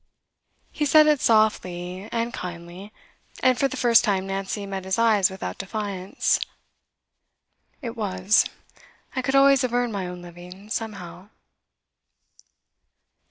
He said it softly and kindly, and for the first time Nancy met his eyes without defiance. 'It was; I could always have earned my own living, somehow.